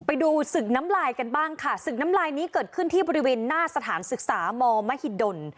ไปดูศึกน้ำลายกันบ้างค่ะศึกน้ำลายนี้เกิดขึ้นที่บริเวณหน้าสถานศึกษามมหิดล